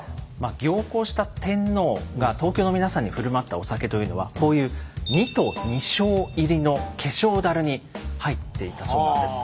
行幸した天皇が東京の皆さんに振る舞ったお酒というのはこういう２斗２升入りの化粧だるに入っていたそうなんです。